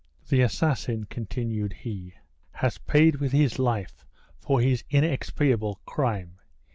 "The assassin," continued he, "has paid with his life for his inexpiable crime.